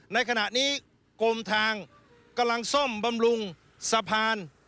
ในขณะนี้กรมทางกำลังซ่อมบำรุงสะพาน